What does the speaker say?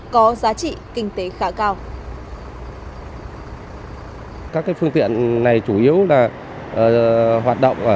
có giá trị kinh tế khá cao